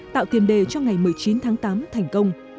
tạo tiền đề cho ngày một mươi chín tháng tám thành công